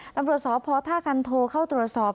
ตำรวจสอบพอท่ากันโทเข้าตัวสอบ